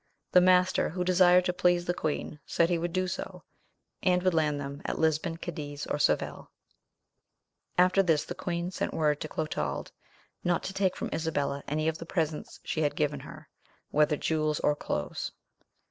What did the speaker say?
The master, who desired to please the queen, said he would do so, and would land them at Lisbon, Cadiz, or Seville. After this the queen sent word to Clotald not to take from Isabella any of the presents she had given her, whether jewels or clothes.